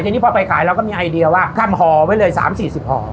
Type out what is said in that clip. ทีนี้พอไปขายเราก็มีไอเดียว่าทำห่อไว้เลย๓๔๐ห่อ